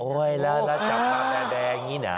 โอ้ยแล้วจากขาแดงงี้นะ